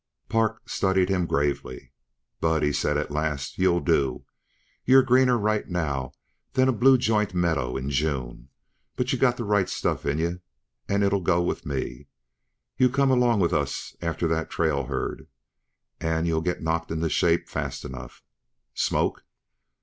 Park studied him gravely. "Bud," he said at last, "you'll do. You're greener right now than a blue joint meadow in June, but yuh got the right stuff in yuh, and it's a go with me. You come along with us after that trail herd, and you'll get knocked into shape fast enough. Smoke?"